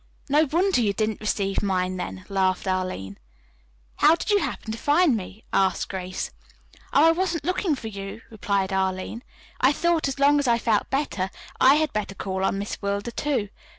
"No wonder you didn't receive mine then," laughed Arline. "How did you happen to find me?" asked Grace. "Oh, I wasn't looking for you," replied Arline. "I thought as long as I felt better, I had better call on Miss Wilder, too.